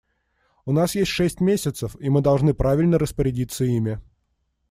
У нас есть шесть месяцев, и мы должны правильно распорядиться ими.